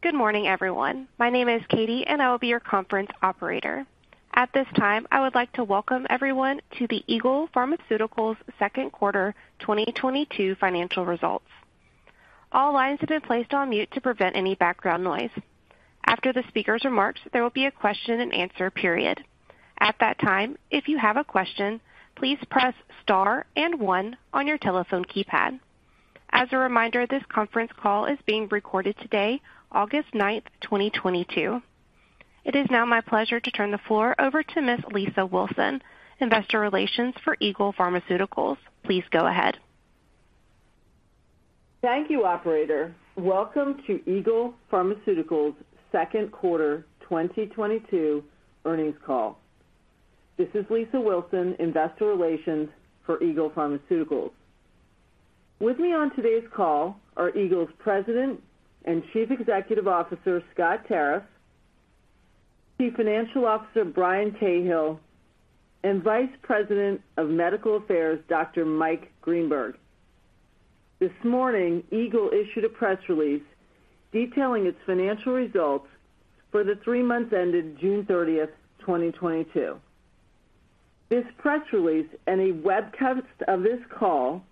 Good morning, everyone. My name is Katie, and I will be your conference operator. At this time, I would like to welcome everyone to the Eagle Pharmaceuticals Second Quarter 2022 Financial Results. All lines have been placed on mute to prevent any background noise. After the speaker's remarks, there will be a question-and-answer period. At that time, if you have a question, please press star and one on your telephone keypad. As a reminder, this conference call is being recorded today, August 9th, 2022. It is now my pleasure to turn the floor over to Ms. Lisa Wilson, Investor Relations for Eagle Pharmaceuticals. Please go ahead. Thank you, operator. Welcome to Eagle Pharmaceuticals Second Quarter 2022 Earnings Call. This is Lisa Wilson, Investor Relations for Eagle Pharmaceuticals. With me on today's call are Eagle's President and Chief Executive Officer, Scott Tarriff, Chief Financial Officer Brian Cahill, and Vice President of Medical Affairs, Dr. Mike Greenberg. This morning, Eagle issued a press release detailing its financial results for the three months ended June 30th, 2022. This press release and a webcast of this call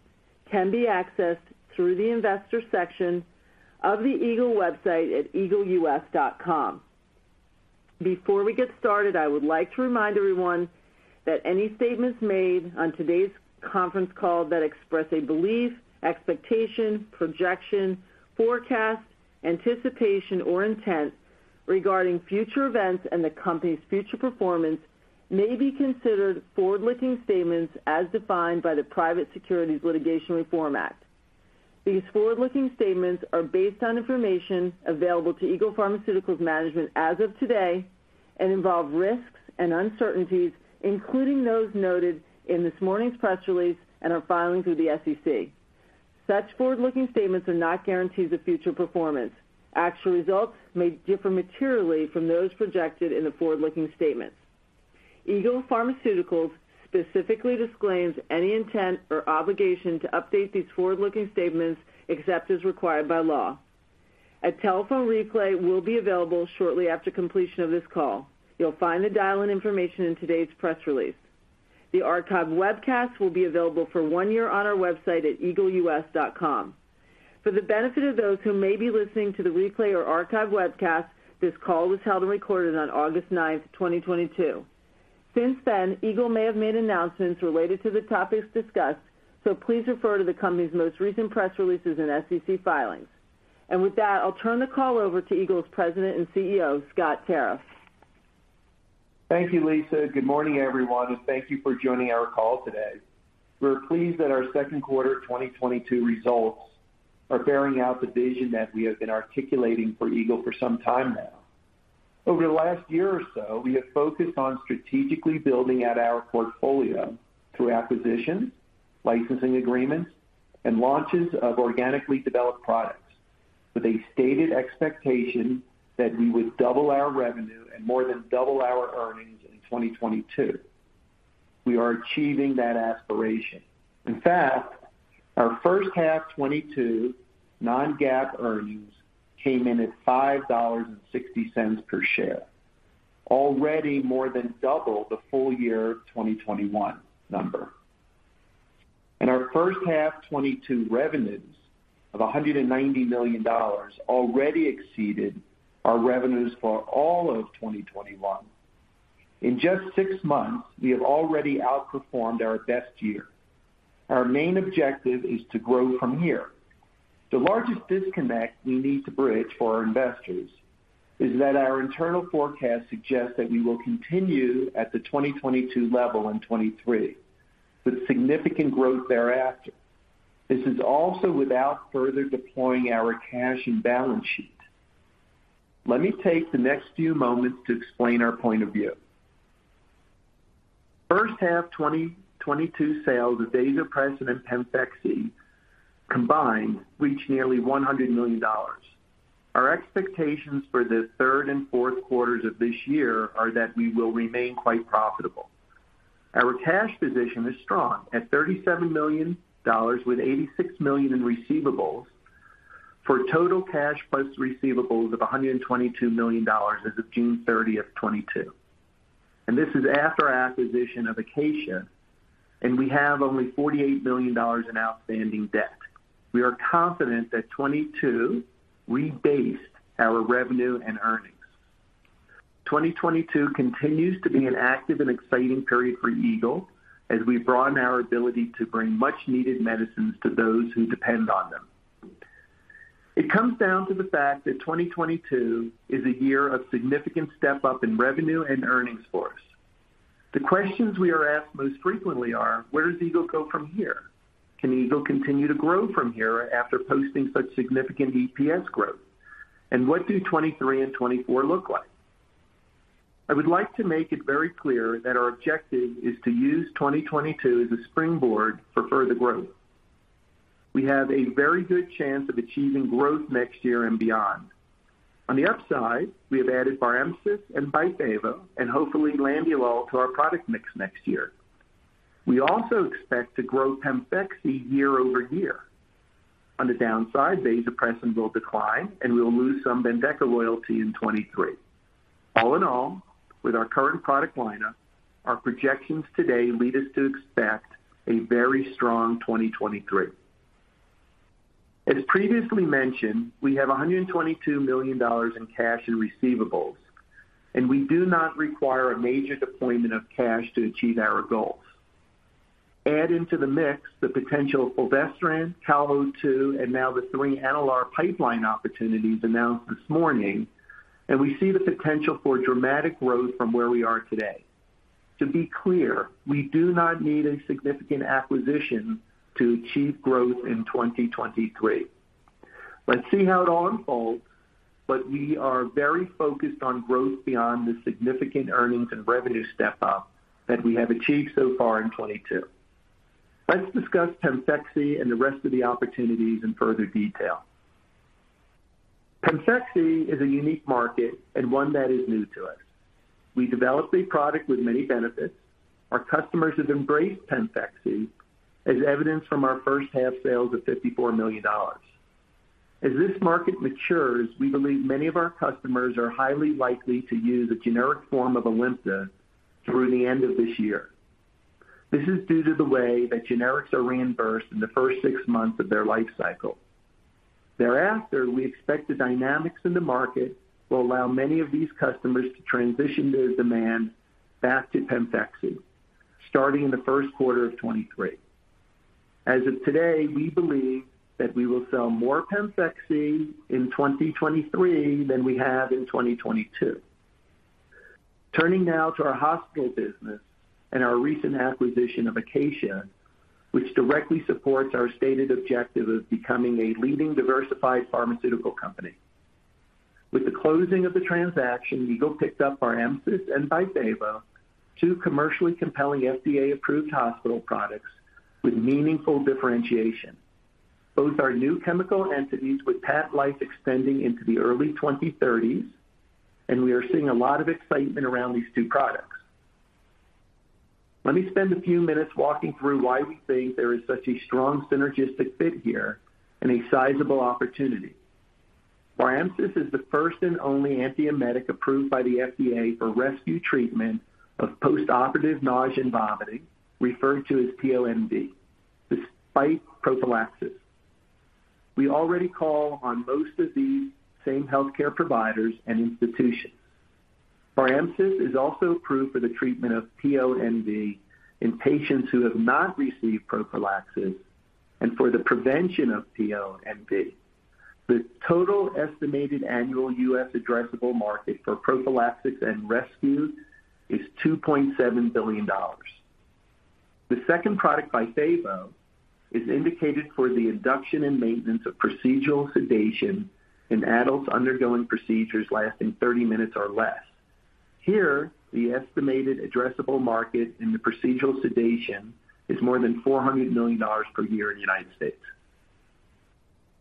can be accessed through the Investor Section of the Eagle website at eagleus.com. Before we get started, I would like to remind everyone that any statements made on today's conference call that express a belief, expectation, projection, forecast, anticipation, or intent regarding future events and the company's future performance may be considered forward-looking statements as defined by the Private Securities Litigation Reform Act. These forward-looking statements are based on information available to Eagle Pharmaceuticals management as of today and involve risks and uncertainties, including those noted in this morning's press release and our filings with the SEC. Such forward-looking statements are not guarantees of future performance. Actual results may differ materially from those projected in the forward-looking statements. Eagle Pharmaceuticals specifically disclaims any intent or obligation to update these forward-looking statements except as required by law. A telephone replay will be available shortly after completion of this call. You'll find the dial-in information in today's press release. The archived webcast will be available for one year on our website at eagleus.com. For the benefit of those who may be listening to the replay or archived webcast, this call was held and recorded on August 9th, 2022. Since then, Eagle may have made announcements related to the topics discussed, so please refer to the company's most recent press releases and SEC filings. With that, I'll turn the call over to Eagle's President and CEO, Scott Tarriff. Thank you, Lisa. Good morning, everyone, and thank you for joining our call today. We're pleased that our second quarter 2022 results are bearing out the vision that we have been articulating for Eagle for some time now. Over the last year or so, we have focused on strategically building out our portfolio through acquisitions, licensing agreements, and launches of organically developed products with a stated expectation that we would double our revenue and more than double our earnings in 2022. We are achieving that aspiration. In fact, our first half 2022 non-GAAP earnings came in at $5.60 per share, already more than double the full year 2021 number. Our first half 2022 revenues of $190 million already exceeded our revenues for all of 2021. In just six months, we have already outperformed our best year. Our main objective is to grow from here. The largest disconnect we need to bridge for our investors is that our internal forecast suggests that we will continue at the 2022 level in 2023, with significant growth thereafter. This is also without further deploying our cash and balance sheet. Let me take the next few moments to explain our point of view. First half 2022 sales of vasopressin and PEMFEXY combined reached nearly $100 million. Our expectations for the third and fourth quarters of this year are that we will remain quite profitable. Our cash position is strong at $37 million, with $86 million in receivables for total cash plus receivables of $122 million as of June 30th, 2022. This is after our acquisition of Acacia, and we have only $48 million in outstanding debt. We are confident that 2022 rebased our revenue and earnings. 2022 continues to be an active and exciting period for Eagle as we broaden our ability to bring much-needed medicines to those who depend on them. It comes down to the fact that 2022 is a year of significant step-up in revenue and earnings for us. The questions we are asked most frequently are. Where does Eagle go from here? Can Eagle continue to grow from here after posting such significant EPS growth? What do 2023 and 2024 look like? I would like to make it very clear that our objective is to use 2022 as a springboard for further growth. We have a very good chance of achieving growth next year and beyond. On the upside, we have added BARHEMSYS and BYFAVO and hopefully landiolol to our product mix next year. We also expect to grow PEMFEXY year-over-year. On the downside, vasopressin will decline, and we'll lose some BENDEKA loyalty in 2023. All in all, with our current product lineup, our projections today lead us to expect a very strong 2023. As previously mentioned, we have $122 million in cash and receivables, and we do not require a major deployment of cash to achieve our goals. Add into the mix the potential of fulvestrant, CAL02, and now the three Enalare pipeline opportunities announced this morning, and we see the potential for dramatic growth from where we are today. To be clear, we do not need a significant acquisition to achieve growth in 2023. Let's see how it all unfolds, but we are very focused on growth beyond the significant earnings and revenue step-up that we have achieved so far in 2022. Let's discuss PEMFEXY and the rest of the opportunities in further detail. PEMFEXY is a unique market and one that is new to us. We developed a product with many benefits. Our customers have embraced PEMFEXY as evidenced from our first half sales of $54 million. As this market matures, we believe many of our customers are highly likely to use a generic form of ALIMTA through the end of this year. This is due to the way that generics are reimbursed in the first six months of their life cycle. Thereafter, we expect the dynamics in the market will allow many of these customers to transition their demand back to PEMFEXY starting in the first quarter of 2023. As of today, we believe that we will sell more PEMFEXY in 2023 than we have in 2022. Turning now to our hospital business and our recent acquisition of Acacia, which directly supports our stated objective of becoming a leading diversified pharmaceutical company. With the closing of the transaction, Eagle picked up BARHEMSYS and BYFAVO, two commercially compelling FDA-approved hospital products with meaningful differentiation. Both are new chemical entities with patent life extending into the early 2030, and we are seeing a lot of excitement around these two products. Let me spend a few minutes walking through why we think there is such a strong synergistic fit here and a sizable opportunity. BARHEMSYS is the first and only antiemetic approved by the FDA for rescue treatment of postoperative nausea and vomiting, referred to as PONV, despite prophylaxis. We already call on most of these same healthcare providers and institutions. BARHEMSYS is also approved for the treatment of PONV in patients who have not received prophylaxis and for the prevention of PONV. The total estimated annual U.S. addressable market for prophylaxis and rescue is $2.7 billion. The second product, BYFAVO, is indicated for the induction and maintenance of procedural sedation in adults undergoing procedures lasting 30 minutes or less. Here, the estimated addressable market in the procedural sedation is more than $400 million per year in the United States.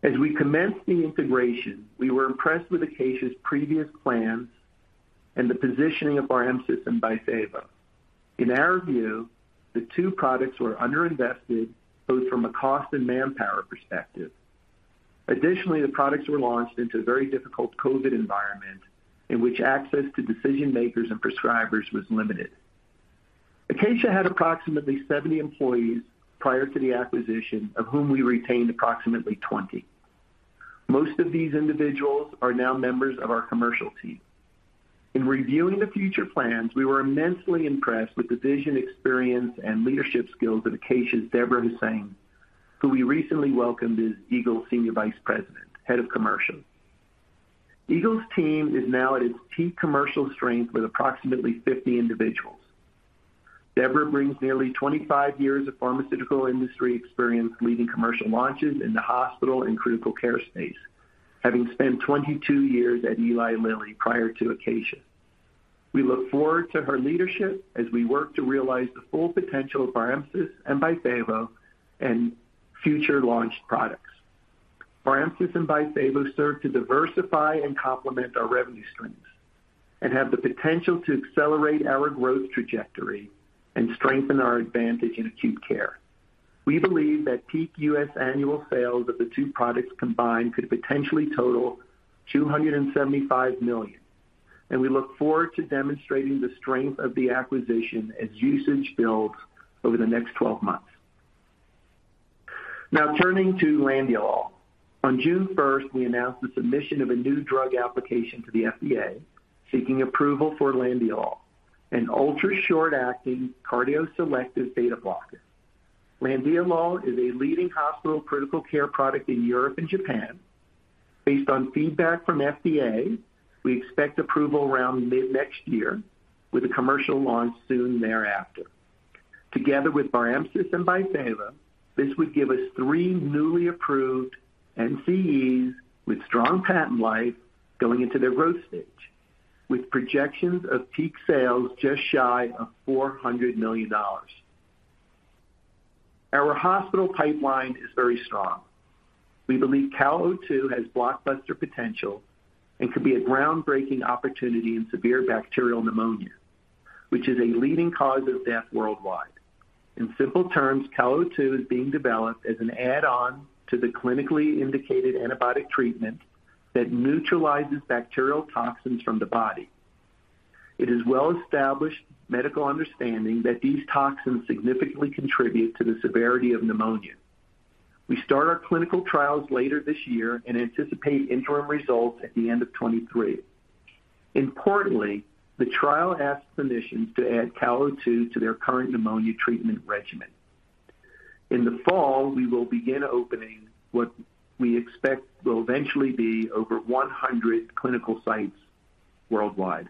As we commenced the integration, we were impressed with Acacia's previous plans and the positioning of BARHEMSYS and BYFAVO. In our view, the two products were underinvested, both from a cost and manpower perspective. Additionally, the products were launched into a very difficult COVID environment in which access to decision-makers and prescribers was limited. Acacia had approximately 70 employees prior to the acquisition, of whom we retained approximately 20. Most of these individuals are now members of our commercial team. In reviewing the future plans, we were immensely impressed with the vision, experience, and leadership skills of Acacia's Debra Hussain, who we recently welcomed as Eagle's Senior Vice President, Head of Commercial. Eagle's team is now at its peak commercial strength with approximately 50 individuals. Debra brings nearly 25 years of pharmaceutical industry experience leading commercial launches in the hospital and critical care space, having spent 22 years at Eli Lilly prior to Acacia. We look forward to her leadership as we work to realize the full potential of BARHEMSYS and BYFAVO and future launch products. BARHEMSYS and BYFAVO serve to diversify and complement our revenue streams and have the potential to accelerate our growth trajectory and strengthen our advantage in acute care. We believe that peak U.S. annual sales of the two products combined could potentially total $275 million, and we look forward to demonstrating the strength of the acquisition as usage builds over the next 12 months. Now turning to landiolol. On June 1st, we announced the submission of a new drug application to the FDA seeking approval for landiolol, an ultra-short-acting cardioselective beta blocker. Landiolol is a leading hospital critical care product in Europe and Japan. Based on feedback from FDA, we expect approval around mid-next year with a commercial launch soon thereafter. Together with BARHEMSYS and BYFAVO, this would give us three newly approved NCE with strong patent life going into their growth stage, with projections of peak sales just shy of $400 million. Our hospital pipeline is very strong. We believe CAL02 has blockbuster potential and could be a groundbreaking opportunity in severe bacterial pneumonia, which is a leading cause of death worldwide. In simple terms, CAL02 is being developed as an add-on to the clinically indicated antibiotic treatment that neutralizes bacterial toxins from the body. It is well-established medical understanding that these toxins significantly contribute to the severity of pneumonia. We start our clinical trials later this year and anticipate interim results at the end of 2023. Importantly, the trial asks physicians to add CAL02 to their current pneumonia treatment regimen. In the fall, we will begin opening what we expect will eventually be over 100 clinical sites worldwide.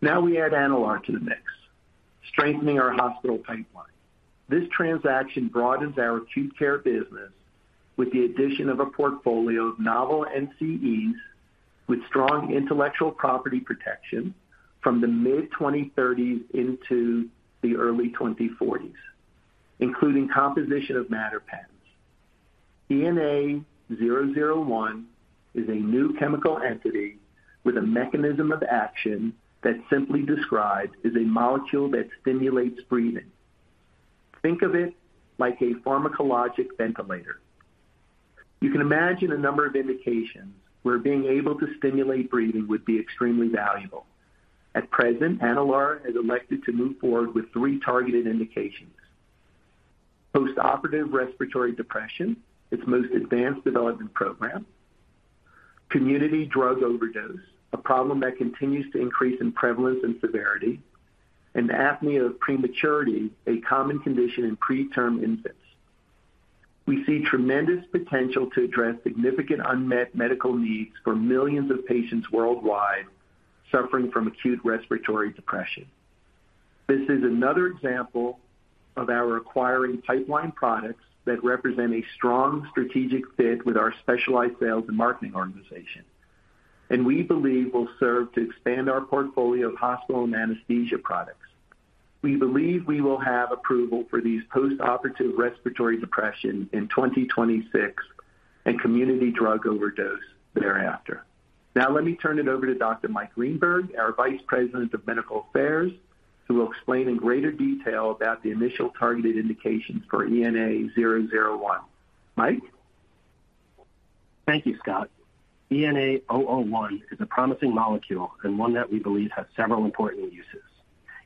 Now we add Enalare to the mix, strengthening our hospital pipeline. This transaction broadens our acute care business with the addition of a portfolio of novel NCEs with strong intellectual property protection from the mid-2030 into the early 2040s, including composition of matter patents. ENA-001 is a new chemical entity with a mechanism of action that, simply described, is a molecule that stimulates breathing. Think of it like a pharmacologic ventilator. You can imagine a number of indications where being able to stimulate breathing would be extremely valuable. At present, Enalare has elected to move forward with three targeted indications. Postoperative respiratory depression, its most advanced development program. Community drug overdose, a problem that continues to increase in prevalence and severity. Apnea of prematurity, a common condition in preterm infants. We see tremendous potential to address significant unmet medical needs for millions of patients worldwide suffering from acute respiratory depression. This is another example of our acquiring pipeline products that represent a strong strategic fit with our specialized sales and marketing organization, and we believe will serve to expand our portfolio of hospital and anesthesia products. We believe we will have approval for these postoperative respiratory depression in 2026 and community drug overdose thereafter. Now let me turn it over to Dr. Mike Greenberg, our Vice President of Medical Affairs, who will explain in greater detail about the initial targeted indications for ENA-001. Mike? Thank you, Scott. ENA-001 is a promising molecule and one that we believe has several important uses.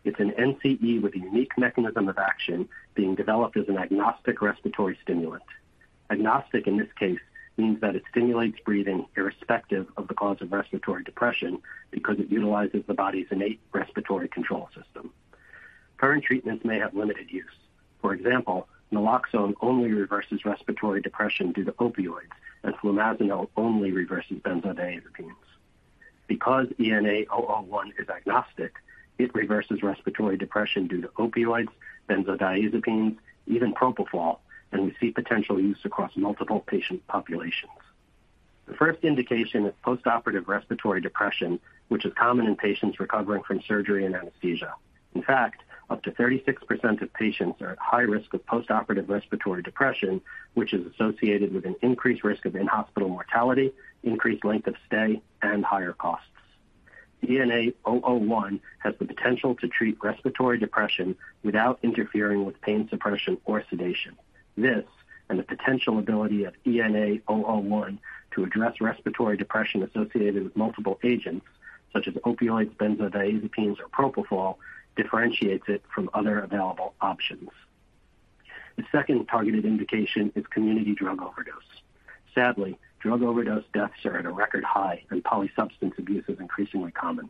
It's an NCE with a unique mechanism of action being developed as an agnostic respiratory stimulant. Agnostic in this case means that it stimulates breathing irrespective of the cause of respiratory depression because it utilizes the body's innate respiratory control system. Current treatments may have limited use. For example, naloxone only reverses respiratory depression due to opioids, and flumazenil only reverses benzodiazepines. Because ENA-001 is agnostic, it reverses respiratory depression due to opioids, benzodiazepines, even propofol, and we see potential use across multiple patient populations. The first indication is postoperative respiratory depression, which is common in patients recovering from surgery and anesthesia. In fact, up to 36% of patients are at high risk of postoperative respiratory depression, which is associated with an increased risk of in-hospital mortality, increased length of stay, and higher costs. ENA-001 has the potential to treat respiratory depression without interfering with pain suppression or sedation. This and the potential ability of ENA-001 to address respiratory depression associated with multiple agents such as opioids, benzodiazepines, or propofol differentiates it from other available options. The second targeted indication is community drug overdose. Sadly, drug overdose deaths are at a record high, and polysubstance abuse is increasingly common.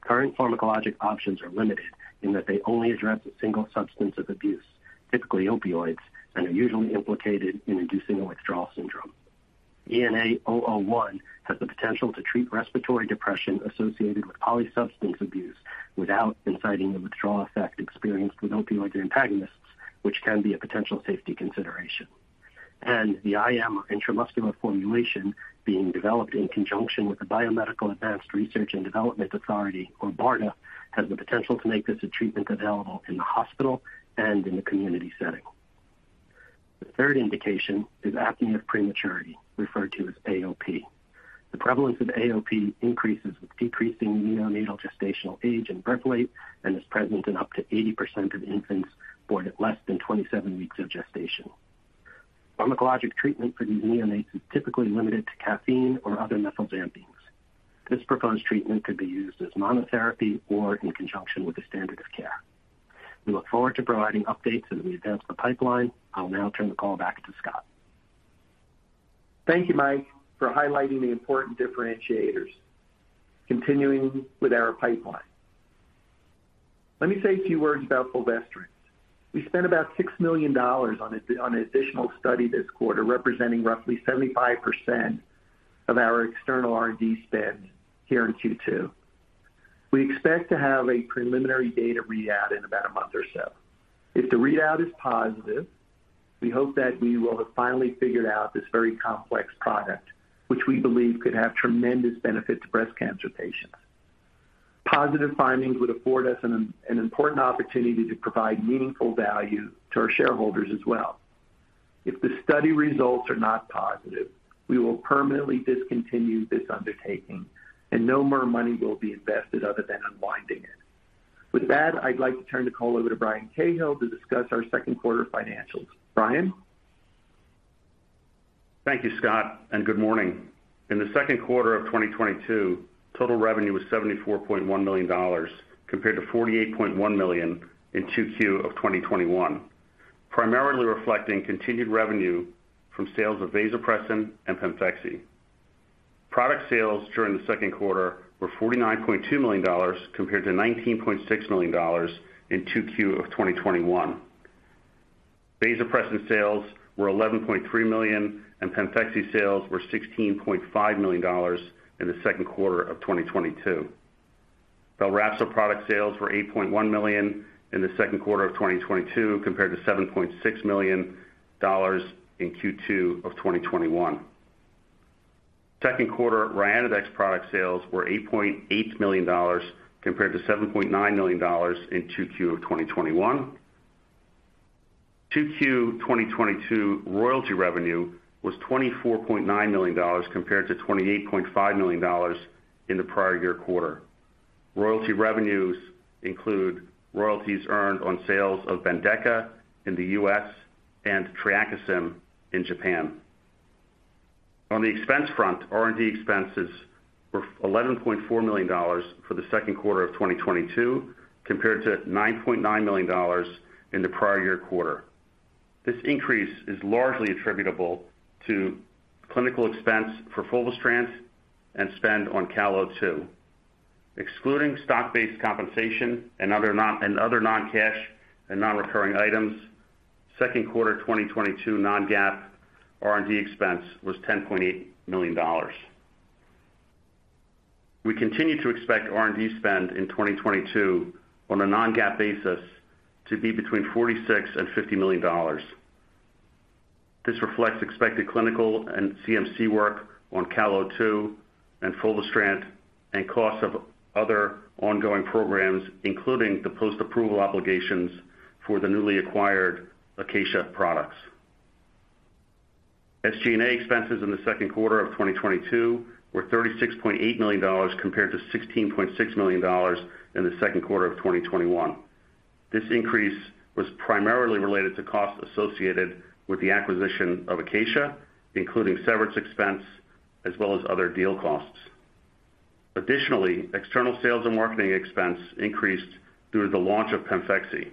Current pharmacologic options are limited in that they only address a single substance of abuse, typically opioids, and are usually implicated in inducing a withdrawal syndrome. ENA-001 has the potential to treat respiratory depression associated with polysubstance abuse without inciting the withdrawal effect experienced with opioid antagonists, which can be a potential safety consideration. The IM intramuscular formulation being developed in conjunction with the Biomedical Advanced Research and Development Authority, or BARDA, has the potential to make this a treatment available in the hospital and in the community setting. The third indication is apnea of prematurity, referred to as AOP. The prevalence of AOP increases with decreasing neonatal gestational age and birth weight and is present in up to 80% of infants born at less than 27 weeks of gestation. Pharmacologic treatment for these neonates is typically limited to caffeine or other methylxanthines. This proposed treatment could be used as monotherapy or in conjunction with the standard of care. We look forward to providing updates as we advance the pipeline. I'll now turn the call back to Scott. Thank you, Mike, for highlighting the important differentiators. Continuing with our pipeline. Let me say a few words about fulvestrant. We spent about $6 million on an additional study this quarter, representing roughly 75% of our external R&D spend here in Q2. We expect to have a preliminary data readout in about a month or so. If the readout is positive, we hope that we will have finally figured out this very complex product, which we believe could have tremendous benefit to breast cancer patients. Positive findings would afford us an important opportunity to provide meaningful value to our shareholders as well. If the study results are not positive, we will permanently discontinue this undertaking, and no more money will be invested other than unwinding it. With that, I'd like to turn the call over to Brian Cahill to discuss our second quarter financials. Brian? Thank you, Scott, and good morning. In the second quarter of 2022, total revenue was $74.1 million compared to $48.1 million in 2Q of 2021, primarily reflecting continued revenue from sales of vasopressin and PEMFEXY. Product sales during the second quarter were $49.2 million compared to $19.6 million in 2Q of 2021. Vasopressin sales were $11.3 million, and PEMFEXY sales were $16.5 million in the second quarter of 2022. BELRAPZO product sales were $8.1 million in the second quarter of 2022 compared to $7.6 million in Q2 of 2021. Second quarter RYANODEX product sales were $8.8 million compared to $7.9 million in 2Q of 2021. 2Q 2022 royalty revenue was $24.9 million compared to $28.5 million in the prior year quarter. Royalty revenues include royalties earned on sales of BENDEKA in the U.S. and TREAKISYM in Japan. On the expense front, R&D expenses were $11.4 million for the second quarter of 2022 compared to $9.9 million in the prior year quarter. This increase is largely attributable to clinical expense for fulvestrant and spend on CAL02. Excluding stock-based compensation and other non-cash and non-recurring items, second quarter 2022 non-GAAP R&D expense was $10.8 million. We continue to expect R&D spend in 2022 on a non-GAAP basis to be between $46 million and $50 million. This reflects expected clinical and CMC work on CAL02 and fulvestrant and costs of other ongoing programs, including the post-approval obligations for the newly acquired Acacia products. SG&A expenses in the second quarter of 2022 were $36.8 million compared to $16.6 million in the second quarter of 2021. This increase was primarily related to costs associated with the acquisition of Acacia, including severance expense as well as other deal costs. Additionally, external sales and marketing expense increased due to the launch of PEMFEXY.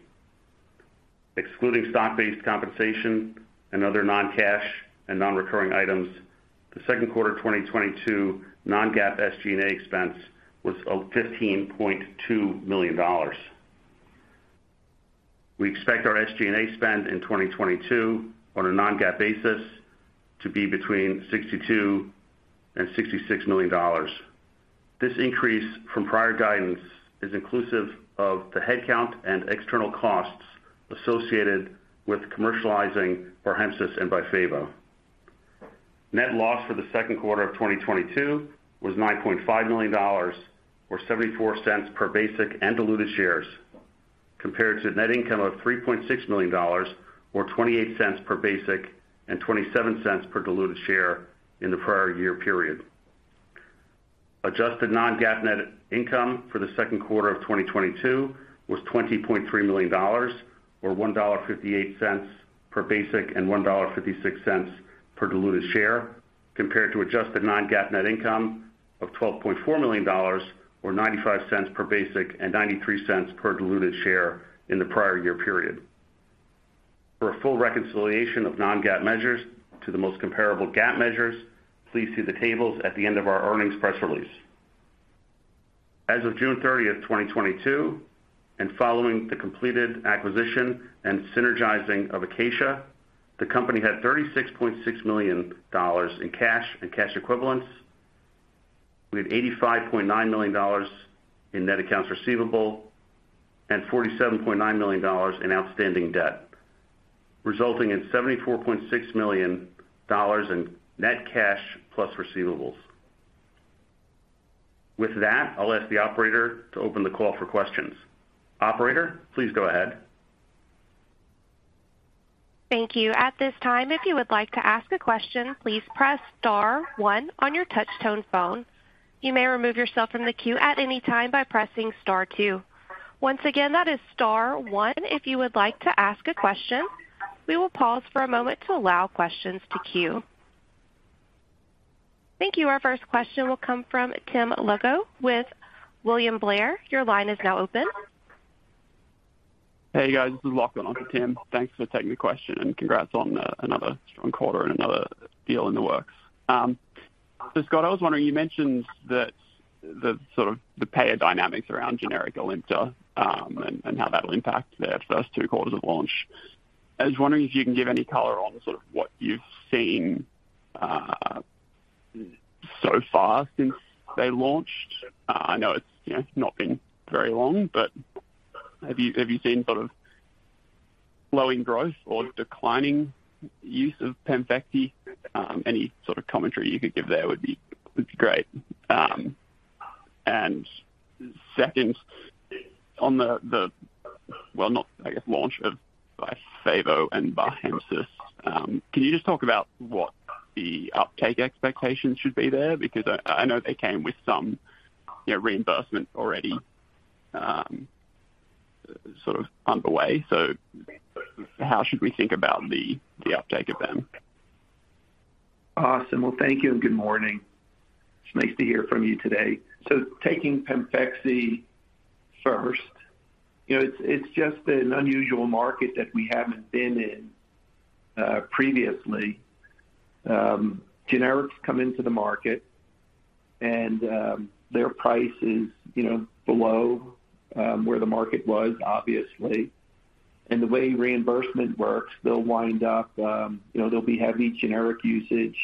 Excluding stock-based compensation and other non-cash and non-recurring items, the second quarter 2022 non-GAAP SG&A expense was $15.2 million. We expect our SG&A spend in 2022 on a non-GAAP basis to be between $62 million and $66 million. This increase from prior guidance is inclusive of the headcount and external costs associated with commercializing BARHEMSYS and BYFAVO. Net loss for the second quarter of 2022 was $9.5 million, or $0.74 per basic and diluted share, compared to net income of $3.6 million or $0.28 per basic and $0.27 per diluted share in the prior year period. Adjusted non-GAAP net income for the second quarter of 2022 was $20.3 million or $1.58 per basic and $1.56 per diluted share, compared to adjusted non-GAAP net income of $12.4 million or $0.95 per basic and $0.93 per diluted share in the prior year period. For a full reconciliation of non-GAAP measures to the most comparable GAAP measures, please see the tables at the end of our earnings press release. As of June 30th, 2022, and following the completed acquisition and synergies of Acacia, the company had $36.6 million in cash and cash equivalents. We had $85.9 million in net accounts receivable and $47.9 million in outstanding debt, resulting in $74.6 million in net cash plus receivables. With that, I'll ask the operator to open the call for questions. Operator, please go ahead. Thank you. At this time, if you would like to ask a question, please press star one on your touch-tone phone. You may remove yourself from the queue at any time by pressing star two. Once again, that is star one if you would like to ask a question. We will pause for a moment to allow questions to queue. Thank you. Our first question will come from Tim Lugo with William Blair. Your line is now open. Hey, guys. This is Locke. On for Tim. Thanks for taking the question and congrats on another strong quarter and another deal in the works. Scott, I was wondering, you mentioned that sort of the payer dynamics around generic ALIMTA and how that'll impact the first two quarters of launch. I was wondering if you can give any color on sort of what you've seen so far since they launched. I know it's, you know, not been very long, but have you seen sort of slowing growth or declining use of PEMFEXY? Any sort of commentary you could give there would be great. Second, on the launch of BYFAVO and BARHEMSYS, can you just talk about what the uptake expectations should be there? Because I know they came with some, you know, reimbursement already, sort of underway, so how should we think about the uptake of them? Awesome. Well, thank you and good morning. It's nice to hear from you today. Taking PEMFEXY first. You know, it's just an unusual market that we haven't been in previously. Generics come into the market and their price is, you know, below where the market was, obviously. The way reimbursement works, they'll wind up, you know, there'll be heavy generic usage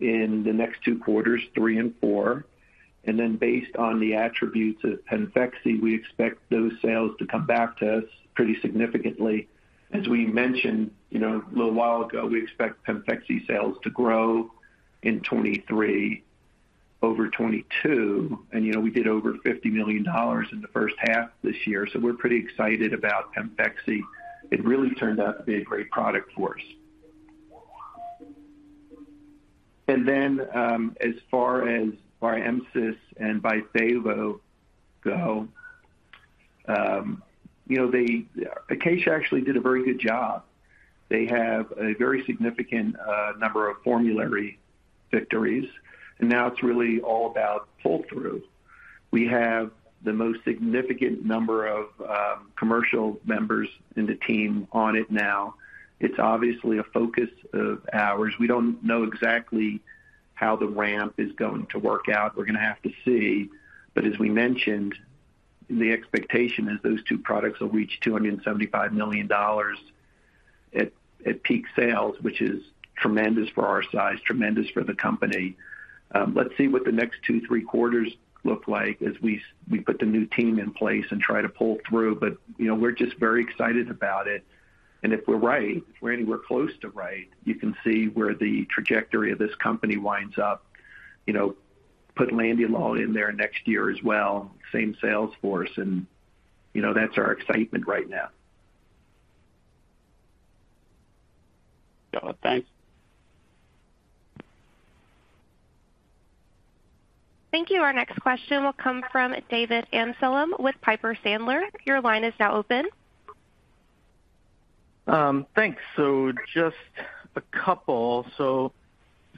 in the next two quarters, three and four. Then based on the attributes of PEMFEXY, we expect those sales to come back to us pretty significantly. As we mentioned, you know, a little while ago, we expect PEMFEXY sales to grow in 2023 over 2022. You know, we did over $50 million in the first half this year, so we're pretty excited about PEMFEXY. It really turned out to be a great product for us. As far as BARHEMSYS and BYFAVO go, you know, Acacia actually did a very good job. They have a very significant number of formulary victories, and now it's really all about pull-through. We have the most significant number of commercial members in the team on it now. It's obviously a focus of ours. We don't know exactly how the ramp is going to work out. We're gonna have to see. As we mentioned, the expectation is those two products will reach $275 million at peak sales, which is tremendous for our size, tremendous for the company. Let's see what the next two, three quarters look like as we put the new team in place and try to pull through. You know, we're just very excited about it. If we're right, if we're anywhere close to right, you can see where the trajectory of this company winds up. You know, put landiolol in there next year as well, same sales force, and, you know, that's our excitement right now. Got it. Thanks. Thank you. Our next question will come from David Amsellem with Piper Sandler. Your line is now open. Thanks. Just a couple.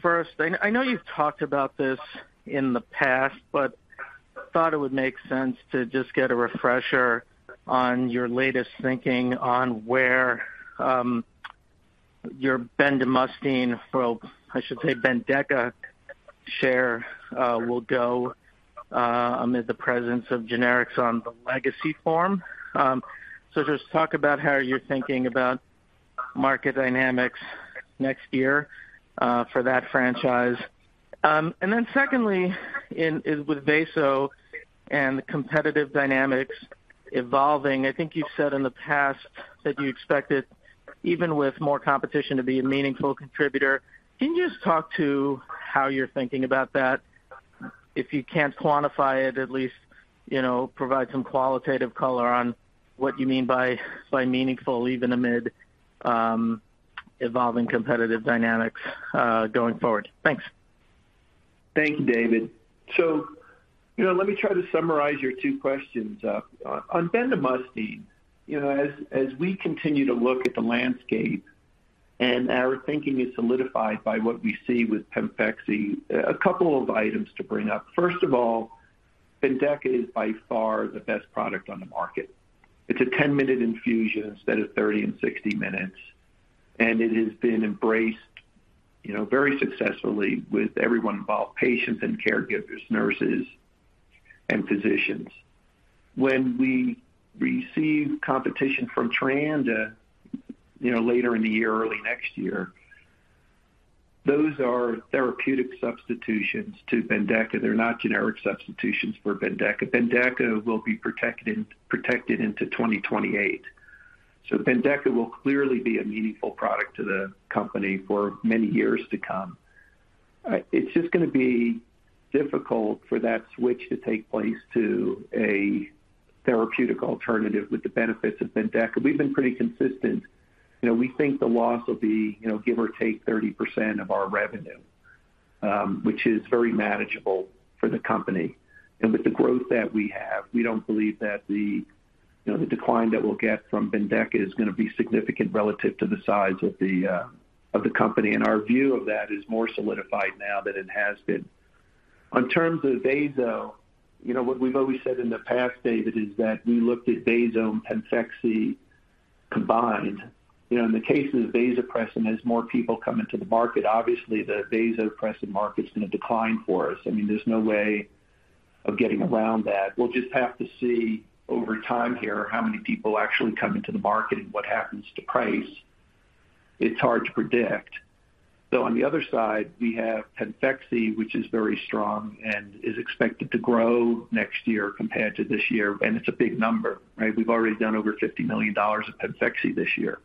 First, and I know you've talked about this in the past, but thought it would make sense to just get a refresher on your latest thinking on where your bendamustine, well, I should say BENDEKA share will go amid the presence of generics on the legacy form. Just talk about how you're thinking about market dynamics next year for that franchise. Then secondly, in with vaso and the competitive dynamics evolving, I think you've said in the past that you expected even with more competition to be a meaningful contributor. Can you just talk to how you're thinking about that? If you can't quantify it, at least, you know, provide some qualitative color on what you mean by meaningful even amid evolving competitive dynamics going forward. Thanks. Thank you, David. You know, let me try to summarize your two questions. On bendamustine, you know, as we continue to look at the landscape and our thinking is solidified by what we see with PEMFEXY, a couple of items to bring up. First of all, BENDEKA is by far the best product on the market. It's a 10-minute infusion instead of 30 and 60 minutes, and it has been embraced, you know, very successfully with everyone involved, patients and caregivers, nurses and physicians. When we receive competition from TREANDA, you know, later in the year, early next year, those are therapeutic substitutions to BENDEKA. They're not generic substitutions for BENDEKA. BENDEKA will be protected into 2028. BENDEKA will clearly be a meaningful product to the company for many years to come. It's just gonna be difficult for that switch to take place to a therapeutic alternative with the benefits of BENDEKA. We've been pretty consistent. You know, we think the loss will be, you know, give or take 30% of our revenue, which is very manageable for the company. With the growth that we have, we don't believe that the, you know, the decline that we'll get from BENDEKA is gonna be significant relative to the size of the company. Our view of that is more solidified now than it has been. In terms of vaso, you know what we've always said in the past, David, is that we looked at vaso and PEMFEXY combined. You know, in the case of vasopressin, as more people come into the market, obviously the vasopressin market's gonna decline for us. I mean, there's no way of getting around that. We'll just have to see over time here how many people actually come into the market and what happens to price. It's hard to predict. On the other side we have PEMFEXY, which is very strong and is expected to grow next year compared to this year. It's a big number, right? We've already done over $50 million of PEMFEXY this year.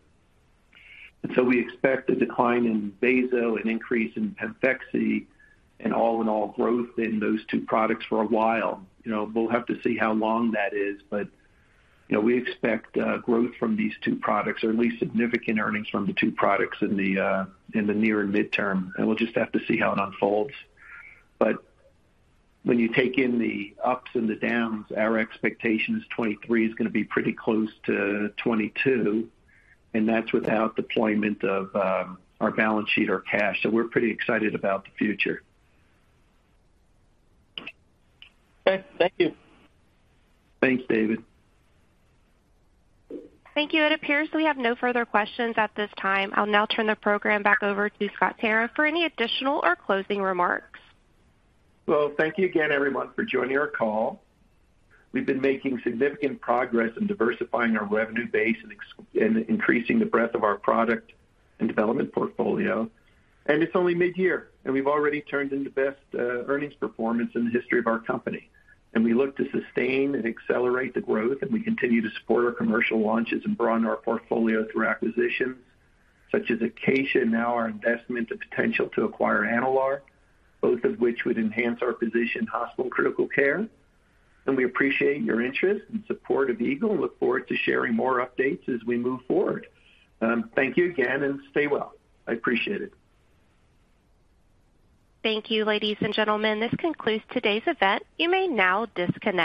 We expect a decline in vaso, an increase in PEMFEXY and all in all growth in those two products for a while. You know, we'll have to see how long that is. You know, we expect growth from these two products or at least significant earnings from the two products in the near and midterm. We'll just have to see how it unfolds. When you take in the ups and the downs, our expectation is 2023 is gonna be pretty close to 2022, and that's without deployment of our balance sheet or cash. We're pretty excited about the future. Okay. Thank you. Thanks, David. Thank you. It appears we have no further questions at this time. I'll now turn the program back over to Scott Tarriff for any additional or closing remarks. Well, thank you again, everyone, for joining our call. We've been making significant progress in diversifying our revenue base and increasing the breadth of our product and development portfolio. It's only mid-year, and we've already turned in the best earnings performance in the history of our company. We look to sustain and accelerate the growth, and we continue to support our commercial launches and broaden our portfolio through acquisitions such as Acacia and now our investment, the potential to acquire Enalare, both of which would enhance our position in hospital critical care. We appreciate your interest and support of Eagle and look forward to sharing more updates as we move forward. Thank you again, and stay well. I appreciate it. Thank you, ladies and gentlemen. This concludes today's event. You may now disconnect.